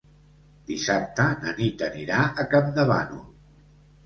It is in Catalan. Dissabte na Nit anirà a Campdevànol.